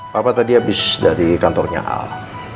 papa tadi habis dari kantornya al